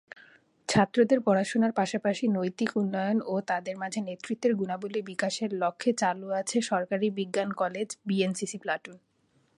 ছাত্রদের পড়াশোনার পাশাপাশি নৈতিক উন্নয়ন ও তাদের মাঝে নেতৃত্বের গুণাবলী বিকাশের লক্ষে চালু আছে সরকারি বিজ্ঞান কলেজ বিএনসিসি প্লাটুন।